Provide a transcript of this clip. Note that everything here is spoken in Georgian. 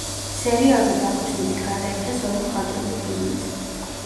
სერიალზე დაფუძნებით გადაიღეს ორი მხატვრული ფილმიც.